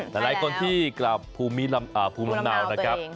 แต่หลายคนที่กลับออภูมิลำลังนาวนะครับ